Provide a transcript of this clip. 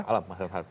malam mas renat